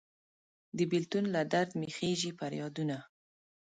د بیلتون له درد مې خیژي پریادونه